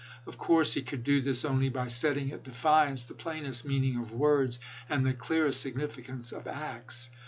Of course he could do this only by setting at defiance the plainest meaning of words and the clearest signifi cance of acts.